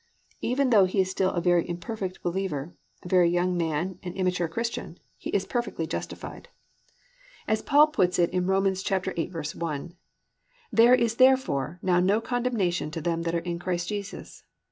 Even though he is still a very imperfect believer, a very young man and immature Christian, he is perfectly justified. As Paul puts it in Rom. 8:1, +"There is therefore now no condemnation to them that are in Christ Jesus."